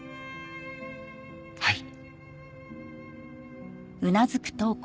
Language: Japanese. はい。